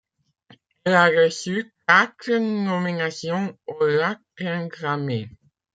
Elle a reçu quatre nominations aux Latin Grammy.